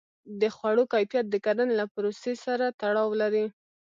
د خوړو کیفیت د کرنې له پروسې سره تړاو لري.